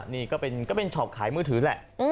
นี่ก็เป็นช็อปขายมือถือแหละ